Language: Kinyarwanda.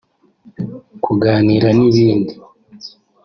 kuganira n’ibindi